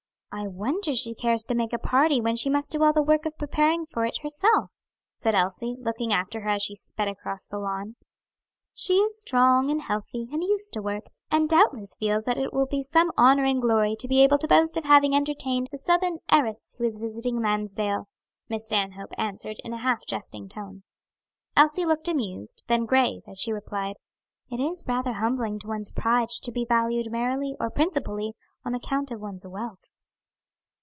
"I wonder she cares to make a party when she must do all the work of preparing for it herself," said Elsie, looking after her as she sped across the lawn. "She is strong and healthy, and used to work; and doubtless feels that it will be some honor and glory to be able to boast of having entertained the Southern heiress who is visiting Lansdale," Miss Stanhope answered in a half jesting tone. Elsie looked amused, then grave, as she replied: "It is rather humbling to one's pride to be valued merely or principally on account of one's wealth."